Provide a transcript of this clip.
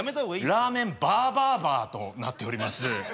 ラーメンバーバーバーとなっております。